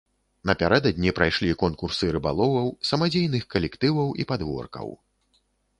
Напярэдадні прайшлі конкурсы рыбаловаў, самадзейных калектываў і падворкаў.